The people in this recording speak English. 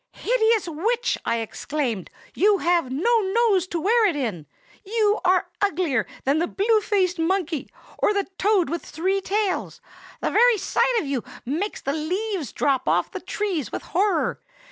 "'Hideous witch!' I exclaimed. 'You have no nose to wear it in! You are uglier than the blue faced monkey, or the toad with three tails. The very sight of you makes the leaves drop off the trees with horror.